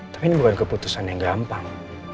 tapi ini bukan keputusan yang gampang